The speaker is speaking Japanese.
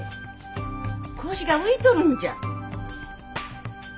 腰が浮いとるんじゃ！